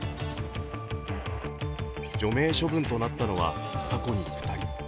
除名処分となったのは、過去に２人。